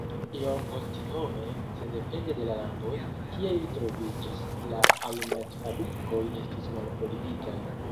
Iompostiome, sendepende de la landoj, kie ili troviĝis, la alumetfabrikoj estis monopoligitaj.